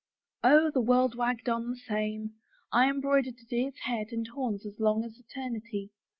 " Oh, the world wagged on the same. I embroidered a deer's head and horns as long as eternity.